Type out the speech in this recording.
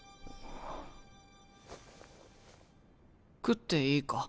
食っていいか？